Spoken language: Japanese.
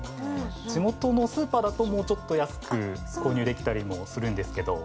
地元のスーパーだともうちょっと安く購入できたりするんですけど。